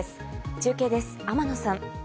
中継です、天野さん。